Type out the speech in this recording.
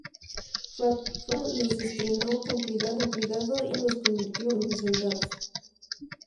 Facundo los entrenó con cuidado y pronto los convirtió en soldados.